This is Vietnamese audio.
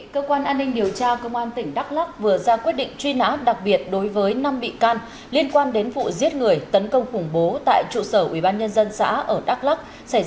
cơ quan an ninh điều tra công an tỉnh đắk lắc vừa ra quyết định truy nã đặc biệt đối với năm bị can liên quan đến vụ giết người tấn công khủng bố tại trụ sở ubnd xã ở đắk lắc xảy ra